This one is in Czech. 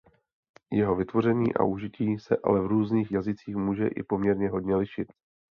Jeho vytvoření a užití se ale v různých jazycích může i poměrně hodně lišit.